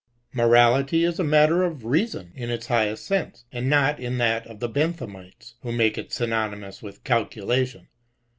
Morality HOBALITY. 1^ is a matter of reason, in its highest sense, and not in that of the Benthamites, who make it synonymous with calculation.